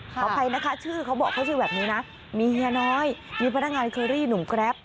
ขออภัยนะคะชื่อเขาบอกเขาชื่อแบบนี้นะมีเฮียน้อยมีพนักงานเคอรี่หนุ่มแกรป